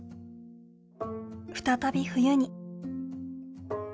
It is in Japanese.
再び冬に」。